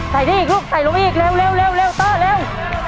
ใส่นี่อีกลูกใส่ลูกอีกเร็วเร็วเร็วเร็วเตอร์เร็ว